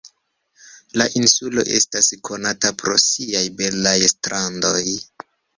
La insulo estas konata pro siaj belaj strandoj.